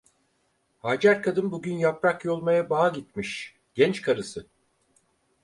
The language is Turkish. Hacer kadın bugün yaprak yolmaya bağa gitmiş, genç karısı.